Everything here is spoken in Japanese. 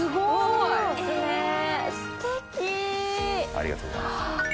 ありがとうございます。